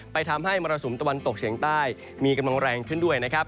ทำให้มรสุมตะวันตกเฉียงใต้มีกำลังแรงขึ้นด้วยนะครับ